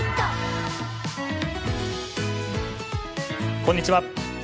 こんにちは。